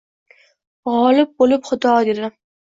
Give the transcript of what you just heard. G’olib bo’lib Xudo dedim